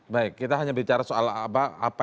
baik kita hanya bicara soal apa